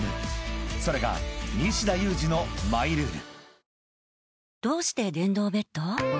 ［それが西田有志のマイルール］